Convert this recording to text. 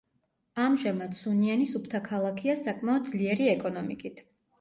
ამჟამად სუნიანი სუფთა ქალაქია საკმაოდ ძლიერი ეკონომიკით.